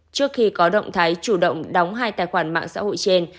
trước khi có động thái chủ động đóng hai tài khoản mạng xã hội trên